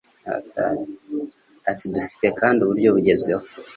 Ati dufite kandi uburyo bugezweho